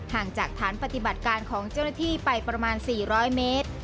ห่างจากฐานปฏิบัติการของเจ้าหน้าที่ไปประมาณ๔๐๐เมตร